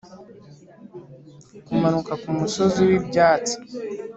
kumanuka kumusozi wibyatsi